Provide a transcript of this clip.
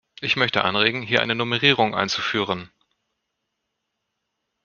Ich möchte anregen, hier eine Nummerierung einzuführen.